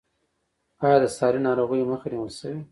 آیا د ساري ناروغیو مخه نیول شوې؟